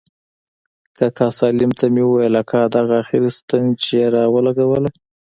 کاکا سالم ته مې وويل اكا دغه اخري ستن چې يې راولګوله.